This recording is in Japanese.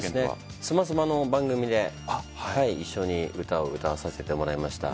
「スマスマ」の番組で一緒に歌を歌わさせてもらいました。